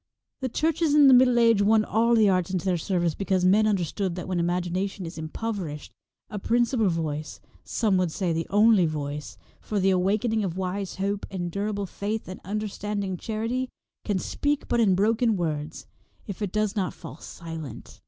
The churches in the Middle Age won all the arts into their service because men understood that when imagination is impoverished, a principal voice — some would say the only voice — for the awaken ing of wise hope and durable faith, and understanding charity, can speak but in broken words, if it does not fall silent.